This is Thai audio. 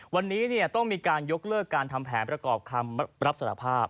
วันนี้เนี้ยต้องมีการยกเลือกการทำแผนและกรอบคำรับสรรพาบ